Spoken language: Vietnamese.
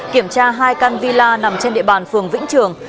kiểm tra hai căn villa nằm trên địa bàn phường vĩnh trường